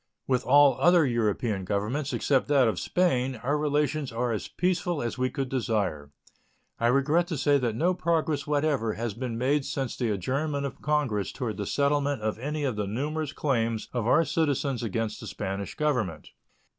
With all other European Governments, except that of Spain, our relations are as peaceful as we could desire. I regret to say that no progress whatever has been made since the adjournment of Congress toward the settlement of any of the numerous claims of our citizens against the Spanish Government.